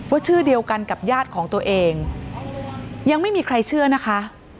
ชื่อเดียวกันกับญาติของตัวเองยังไม่มีใครเชื่อนะคะ